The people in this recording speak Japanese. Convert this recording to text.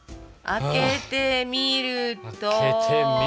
開けてみると。